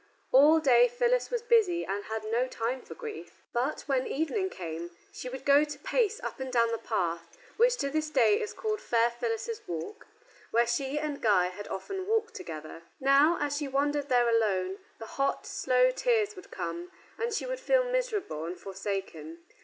All day Phyllis was busy and had no time for grief, but when evening came she would go to pace up and down the path (which to this day is called "Fair Phyllis's Walk") where she and Guy had often walked together. Now as she wandered there alone, the hot, slow tears would come, and she would feel miserable and forsaken.